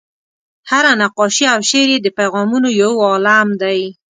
هره نقاشي او شعر یې د پیغامونو یو عالم دی.